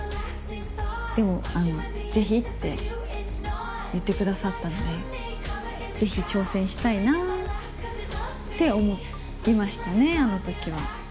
でもぜひって言ってくださったので、ぜひ挑戦したいなって思いましたね、あのときは。